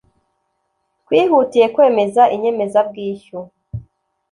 Twihutiye kwemeza inyemezabwishyu